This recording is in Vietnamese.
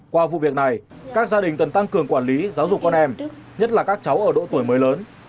qua vụ việc này các gia đình cần tăng cường quản lý giáo dục con em nhất là các cháu ở độ tuổi mới lớn